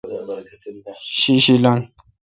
شی شی لنگ۔